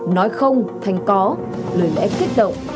nói không thành có lời lẽ kết động